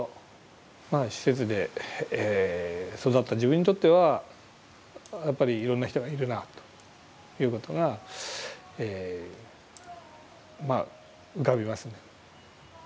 まあ施設で育った自分にとってはやっぱりいろんな人がいるなぁということがまあ浮かびますね。